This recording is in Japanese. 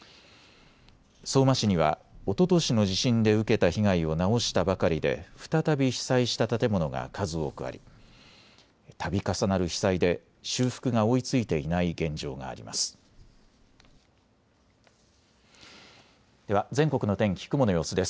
相馬市にはおととしの地震で受けた被害を直したばかりで再び被災した建物が数多くありたび重なる被災で修復が追いついていない現状があります。